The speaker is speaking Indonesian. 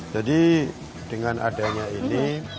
dengan adanya ini